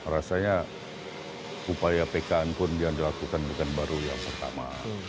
rasanya upaya pkn pun yang dilakukan bukan baru yang pertama